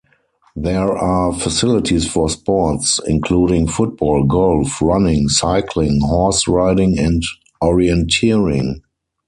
There are facilities for sports including football, golf, running, cycling, horse-riding and orienteering.